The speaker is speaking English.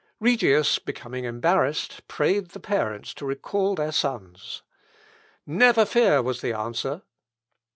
Regius becoming embarrassed prayed the parents to recall their sons. "Never fear," was the answer.